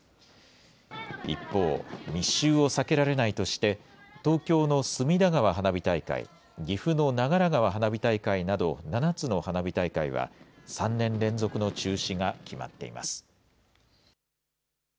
一方、密集を避けられないとして、東京の隅田川花火大会、岐阜の長良川花火大会など、７つの花火大会は３年連続の中止が決まっています。